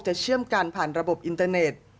เชื่อมกันผ่านระบบอินเตอร์เน็ต